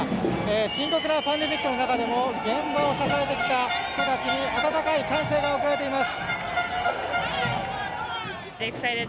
深刻なパンデミックの中でも現場を支えてきた人たちに温かい歓声が送られています。